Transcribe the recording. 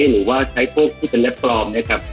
หรือว่าใช้พวกที่เป็นเล็บปลอมนะครับ